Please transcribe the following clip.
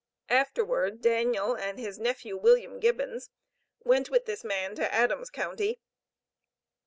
Afterward, Daniel and his nephew, William Gibbons, went with this man to Adams county.